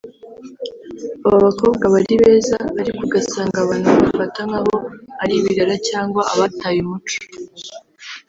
aba bakobwa aba ari beza ariko ugasanga abantu babafata nk’aho ari ibirara cyangwa abataye umuco